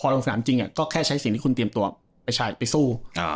ลงสนามจริงก็แค่ใช้สิ่งที่คุณเตรียมตัวไปสู้อ่า